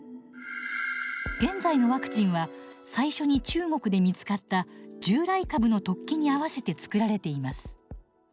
現在のワクチンは最初に中国で見つかった従来株の突起に合わせて作られています。